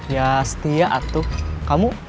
ya setia atuh kamu